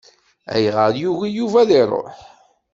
Ayɣeṛ yugi Yuba ad iṛuḥ?